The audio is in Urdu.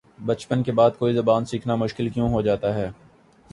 بچپن کے بعد کوئی زبان سیکھنا مشکل کیوں ہوجاتا ہے